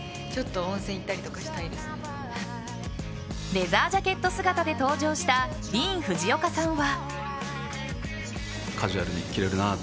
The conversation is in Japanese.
レザージャケット姿で登場したディーン・フジオカさんは。